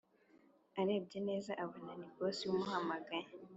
arebye neza abona ni boss umuhamagaye